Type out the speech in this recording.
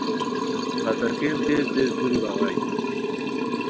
پھتا کین تیز تیز دُوری بغائے